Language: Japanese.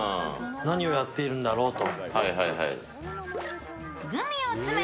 何をやっているんだろうと。